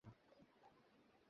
আমি জানি, সব ঠিক আছে।